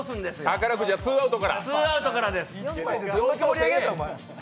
宝くじはツーアウトから。